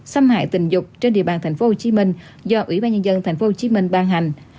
xâm hại tình dục trên địa bàn tp hcm do ủy ban nhân dân tp hcm ban hành